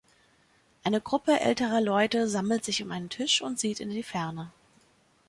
Eine Gruppe älterer Leute sammelt sich um einen Tisch und sieht in die Ferne.